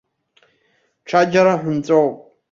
Ҽаџьара ҳәынҵәоуп!